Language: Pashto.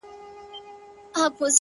ما اورېدلي دې چي لمر هر گل ته رنگ ورکوي؛